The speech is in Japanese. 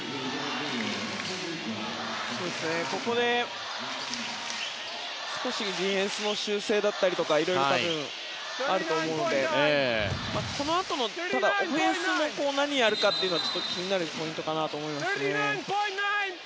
ここで、少しディフェンスの修正だったりいろいろあると思うのでこのあとのオフェンスも何をやるかって気になるポイントだと思います。